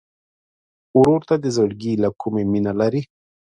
ورور ته د زړګي له کومي مینه لرې.